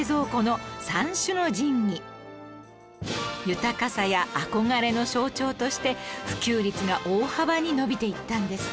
豊かさや憧れの象徴として普及率が大幅に伸びていったんです